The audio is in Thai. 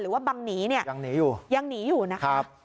ว่าบังหนีเนี่ยยังหนีอยู่ยังหนีอยู่นะครับ